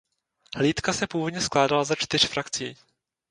Hlídka se původně skládala ze čtyř frakcí.